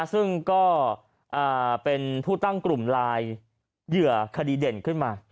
ซึ่งก็เป็นผู้ตั้งกลุ่มไลน์เหยื่อคดีเด่นขึ้นมา